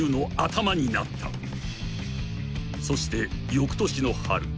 ［そして翌年の春］